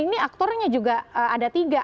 ini aktornya juga ada tiga